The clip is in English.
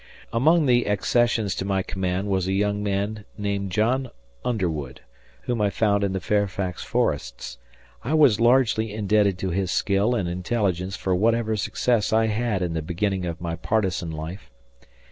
Among the accessions to my command was a young man named John Underwood, whom I found in the Fairfax forests. I was largely indebted to his skill and intelligence for whatever success I had in the beginning of my partisan life.